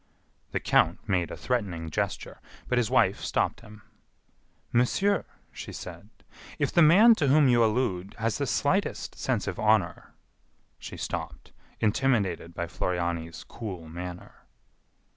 The count made a threatening gesture, but his wife stopped him. "Monsieur," she said, "if the man to whom you allude has the slightest sense of honor " She stopped, intimidated by Floriani's cool manner.